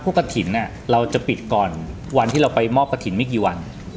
กระถิ่นเราจะปิดก่อนวันที่เราไปมอบกระถิ่นไม่กี่วัน